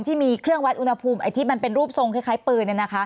ที่มีเครื่องวัดอุณหภูมิที่มันเป็นรูปทรงคล้ายปืน